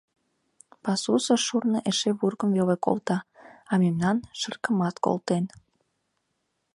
Пасусо шурно эше вургым веле колта, а мемнан — шыркамат колтен.